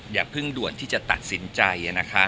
อย่าเพิ่งด่วนที่จะตัดสินใจ